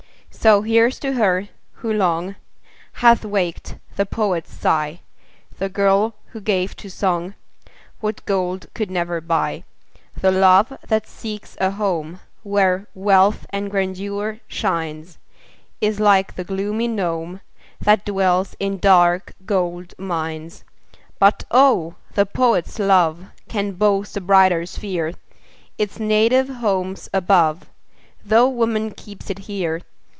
So here's to her, who long Hath waked the poet's sigh, The girl, who gave to song What gold could never buy. The love that seeks a home Where wealth or grandeur shines, Is like the gloomy gnome, That dwells in dark gold mines. But oh! the poet's love Can boast a brighter sphere; Its native home's above, Tho' woman keeps it here.